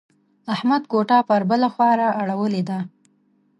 احمد کوټه پر بله خوا را اړولې ده.